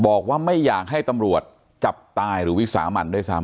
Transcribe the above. บอกว่าไม่อยากให้ตำรวจจับตายหรือวิสามันด้วยซ้ำ